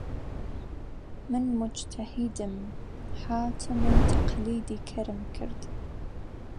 من موجتەهیدم، هاتم و تەقلیدی کەرم کرد